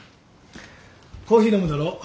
コーヒー飲むだろ？